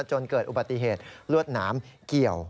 จนเกิดอุบัติเหตุลวดหนามเกี่ยว